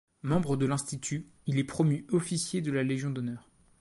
Membre de l'Institut, il est promu officier de la Légion d'honneur.